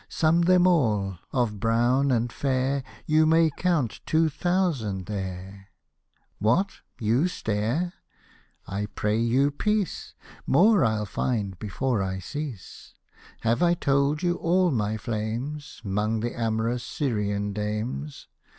Sum them all — of brown and fair You may count two thousand there. What, you stare ? I pray you, peace ! More I'll find before I cease. Have I told you all my flames, 'Mong the amorous Syrian dames